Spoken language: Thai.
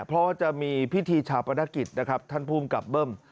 เพราะจะมีพิธีชาวประนักกิจท่านภูมิกลับเบิ้ม